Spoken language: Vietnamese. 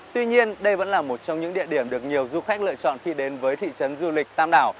tuy nhiên đây vẫn là một trong những địa điểm được nhiều du khách lựa chọn khi đến với thị trấn du lịch tam đảo